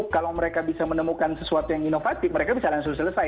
kalau mereka bisa menemukan sesuatu yang inovatif mereka bisa langsung selesai